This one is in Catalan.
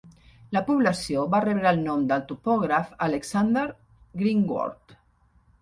La població va rebre el nom del topògraf Alexander Greenword.